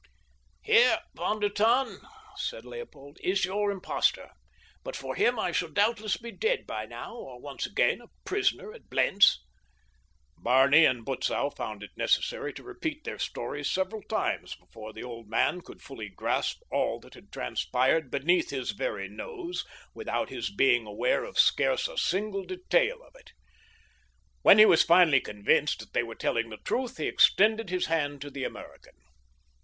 "Here, Von der Tann," said Leopold, "is your 'impostor.' But for him I should doubtless be dead by now, or once again a prisoner at Blentz." Barney and Butzow found it necessary to repeat their stories several times before the old man could fully grasp all that had transpired beneath his very nose without his being aware of scarce a single detail of it. When he was finally convinced that they were telling the truth, he extended his hand to the American.